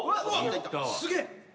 ・すげえ。